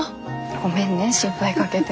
ごめんね心配かけて。